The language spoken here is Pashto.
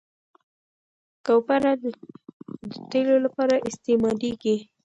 کوپره د تېلو لپاره استعمالیږي.